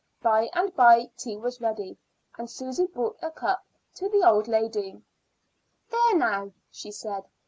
By and by tea was ready, and Susy brought a cup to the old lady. "There, now," she said.